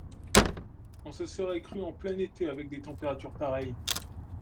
On se serait cru en plein été avec des températures pareilles.